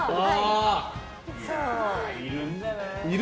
いるんじゃない？